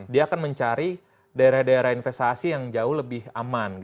daerah daerah investasi yang jauh lebih aman